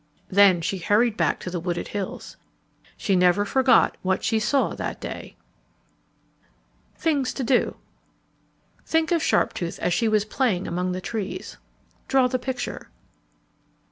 Then she hurried back to the wooded hills. She never forgot what she saw that day. [Illustration: A lion] THINGS TO DO _Think of Sharptooth as she was playing among the trees. Draw the picture.